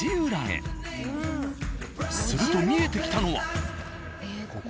すると見えてきたのは。